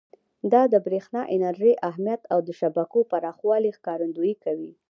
دا د برېښنا انرژۍ اهمیت او د شبکو پراخوالي ښکارندویي کوي.